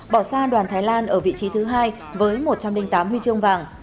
bỏ xa đoàn thái lan ở vị trí thứ hai với một trăm linh tám huy chương vàng